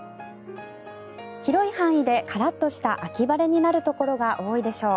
広い範囲でカラッとした秋晴れになるところが多いでしょう。